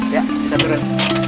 ya bisa turun